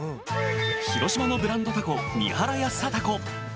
広島のブランドタコ、三原やっさタコ。